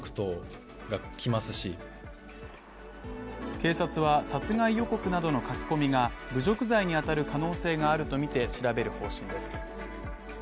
警察は殺害予告などの書き込みが侮辱罪に当たる可能性があるとみて調べる方針です。